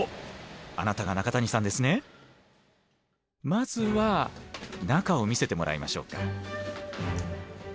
まずは中を見せてもらいましょうか。